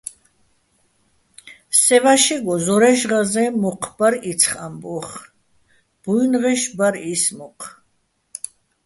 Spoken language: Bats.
სე ვაშეგო ზორაჲში̆ ღაზე́ნ მოჴ ბარ იცხ ამბო́ხ, ბუ́ჲნღეშ ბარ ის მოჴ.